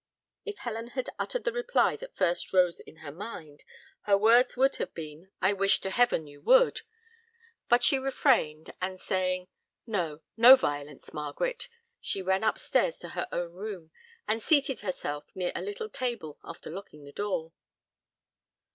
If Helen had uttered the reply that first rose in her mind, her words would have been, "I wish to heaven you would!" but she refrained, and saying, "No; no violence, Margaret," she ran up stairs to her own room, and seated herself near a little table, after locking the door.